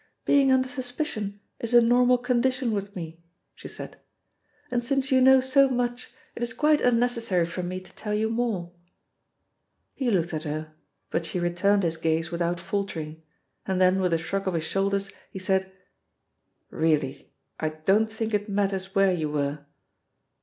"Being under suspicion is a normal condition with me," she said, "and since you know so much, it is quite unnecessary for me to tell you more." He looked at her, but she returned his gaze without faltering, and then with a shrug of his shoulders, he said: "Really, I don't think it matters where you were."